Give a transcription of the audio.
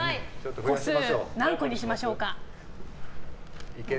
個数、何個にしましょうか？